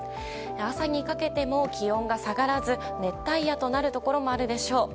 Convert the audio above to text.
朝にかけても気温が下がらず熱帯夜となるところもあるでしょう。